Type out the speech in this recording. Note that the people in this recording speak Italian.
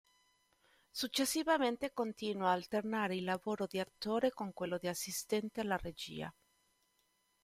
Successivamente continua ad alternare il lavoro di attore con quello di assistente alla regia.